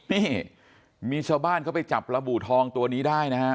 นี่มีชาวบ้านเข้าไปจับปลาบูทองตัวนี้ได้นะฮะ